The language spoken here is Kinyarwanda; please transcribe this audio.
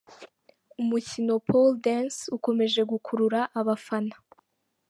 Umukino Pole dance ukomeje gukurura abafana